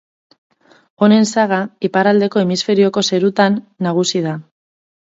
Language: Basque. Honen saga iparraldeko hemisferioko zeruetan nagusi da.